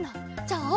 じゃああ